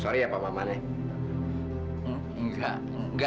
saya sering bawa bidik suatu anak bangsa